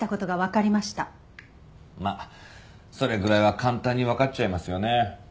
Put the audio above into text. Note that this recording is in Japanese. まあそれぐらいは簡単にわかっちゃいますよね。